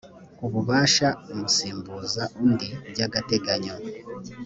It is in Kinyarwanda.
ububasha amusimbuza undi by agateganyo